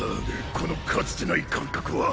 このかつてない感覚は。